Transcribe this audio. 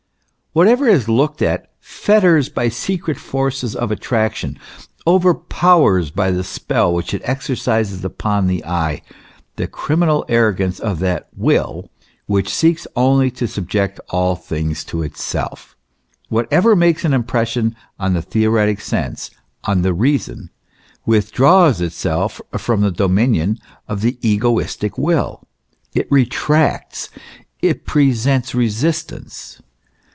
Whatever is looked at fetters by secret forces of attraction, overpowers, by the spell which it exercises upon the eye, the criminal arrogance of that Will which seeks only to subject all things to itself. What ever makes an impression on the theoretic sense, on the rea son, withdraws itself from the dominion of the egoistic Will : it reacts, it presents resistance.